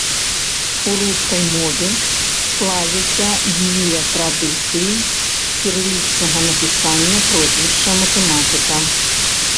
У рускай мове склаліся дзве традыцыі кірылічнага напісання прозвішча матэматыка.